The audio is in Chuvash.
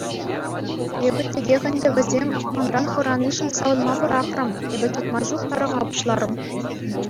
Эпӗ текех ӗнтӗ вӗсем манран хӑранишӗн савӑнма пӑрахрӑм — эпӗ чӑтма ҫук тарӑха пуҫларӑм.